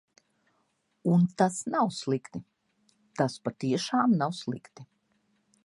Un tas nav slikti, tas patiešām nav slikti.